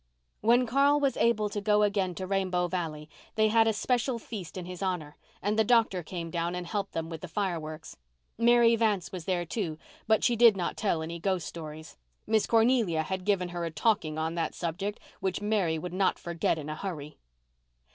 When Carl was able to go again to Rainbow Valley they had a special feast in his honour and the doctor came down and helped them with the fireworks. Mary Vance was there, too, but she did not tell any ghost stories. Miss Cornelia had given her a talking on that subject which Mary would not forget in a hurry.